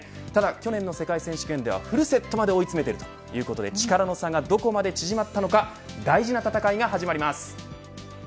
ただ去年の世界選手権ではフルセットまで追い詰めるということで力の差がどこまで縮まったのか大事な戦いが始まります。